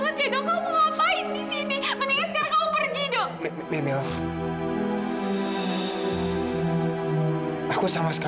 untuk apa kamu ketemu sama aku